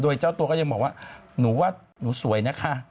โดยเจ้าตัวก็ยังบอกว่าหนูว่าหนูสวยนะคะ